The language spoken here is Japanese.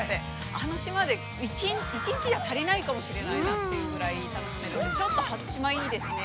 あの島で１日じゃ足りないかもしれないなというぐらい楽しめるので、ちょっと初島いいですね。